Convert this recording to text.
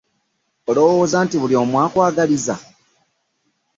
Olowooza nti buli omu akwagaliza?